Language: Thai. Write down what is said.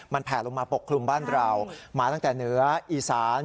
มันแผลลงมาปกคลุมบ้านเรามาตั้งแต่เหนืออีสาน